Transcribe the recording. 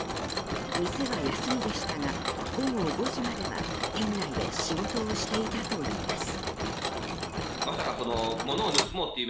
店は休みでしたが午後５時までは店内で仕事をしていたといいます。